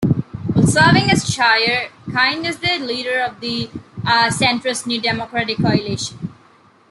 Serving as chair, Kind is the leader of the centrist New Democratic Coalition.